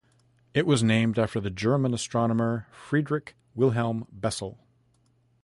It was named after the German astronomer Friedrich Wilhelm Bessel.